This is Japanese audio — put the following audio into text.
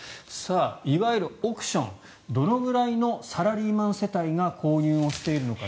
いわゆる億ションどのぐらいのサラリーマン世帯が購入をしているのか。